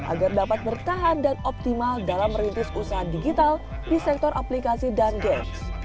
agar dapat bertahan dan optimal dalam merintis usaha digital di sektor aplikasi dan games